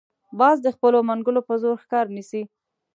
باز د خپلو منګولو په زور ښکار نیسي